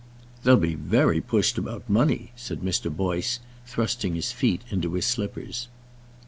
"They'll be very pushed about money," said Mr. Boyce, thrusting his feet into his slippers.